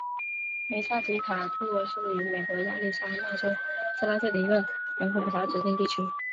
梅萨迪卡布洛是位于美国亚利桑那州希拉县的一个人口普查指定地区。